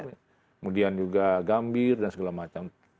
kemudian juga gambir dan segala macam